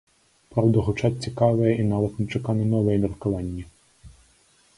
Праўда, гучаць цікавыя і нават нечакана новыя меркаванні.